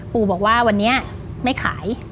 ปู่บอกว่าวันนี้ไม่ขาย